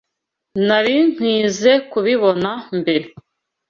Nari nkwizoe kubibona mbere.